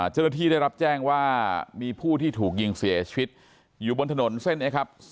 เจ้าหน้าที่ได้รับแจ้งว่ามีผู้ที่ถูกยิงเสียชีวิตอยู่บนถนนเส้นนี้ครับ